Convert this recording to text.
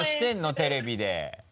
テレビで。